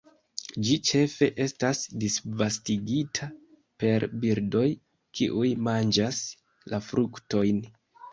Ĝi ĉefe estas disvastigata per birdoj kiuj manĝas la fruktojn.